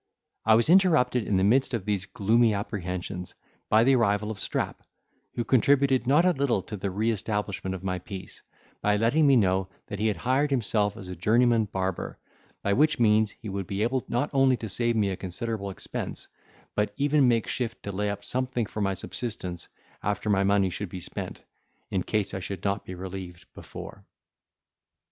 I was interrupted in the midst of these gloomy apprehensions by the arrival of Strap, who contributed not a little to the re establishment of my peace, by letting me know that he had hired himself as a journeyman barber; by which means he would be able not only to save me a considerable expense, but even make shift to lay up something for my subsistence, after my money should be spent, in case I should not be relieved before.